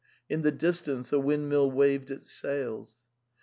In the distance a windmill waved itssails.